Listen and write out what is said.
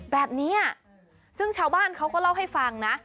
แบบนี้ซึ่งชาวบ้านเขาก็เล่าให้ฟังนะ